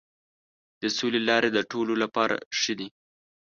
د سولې لارې د ټولو لپاره ښې دي.